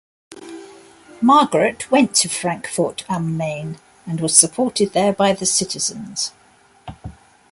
Margaret went to Frankfurt-am-Main and was supported there by the citizens.